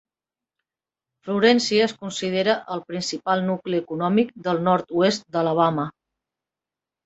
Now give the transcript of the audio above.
Florència es considera el principal nucli econòmic del nord-oest d'Alabama.